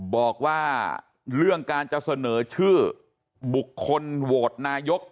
บอกว่าเรื่องการจะเสนอชื่อบุคคลโหวตนายก